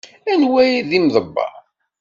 Anwa ay d imḍebber?